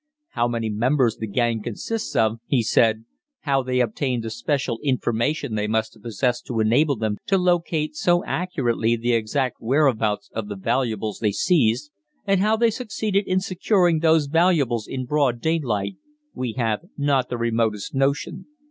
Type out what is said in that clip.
"How many members the gang consists of," he said, "how they obtained the special information they must have possessed to enable them to locate so accurately the exact whereabouts of the valuables they seized, and how they succeeded in securing those valuables in broad daylight, we have not the remotest notion.